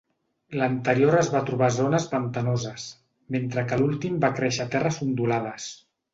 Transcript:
L'anterior es va trobar a zones pantanoses, mentre que l'últim va créixer a terres ondulades.